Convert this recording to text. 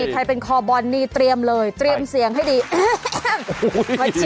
ใครเป็นคอบอลนี่เตรียมเลยเตรียมเสียงให้ดี